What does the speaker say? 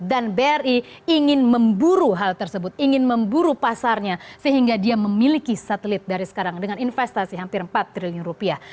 dan bri ingin memburu hal tersebut ingin memburu pasarnya sehingga dia memiliki satelit dari sekarang dengan investasi hampir empat triliun rupiah